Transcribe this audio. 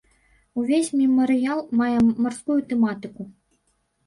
Увесь мемарыял мае марскую тэматыку.